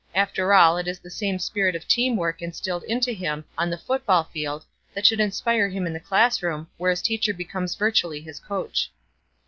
After all it is the same spirit of team work instilled into him on the football field that should inspire him in the classroom, where his teacher becomes virtually his coach.